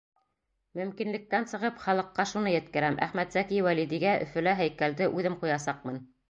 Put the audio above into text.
Мөмкинлектән сығып, халыҡҡа шуны еткерәм: Әхмәтзәки Вәлидигә Өфөлә һәйкәлде үҙем ҡуясаҡмын!